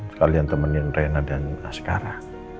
sekalian temenin rena dan askara